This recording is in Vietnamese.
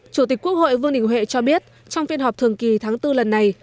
chủ tịch quốc hội vương đình huệ cho biết trong phiên họp thường kỳ tháng bốn lần này